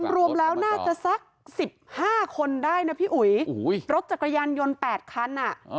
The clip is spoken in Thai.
รวมแล้วน่าจะสัก๑๕คนได้นะพี่อุ๋ยรถจักรยานยนต์๘คันอ่ะ